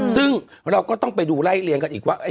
ซึ่งเราก็ต้องไปดูไล่เรียงกันอีกว่า